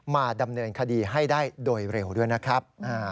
มาดำเนินคดีให้ได้โดยเร็วด้วยนะครับ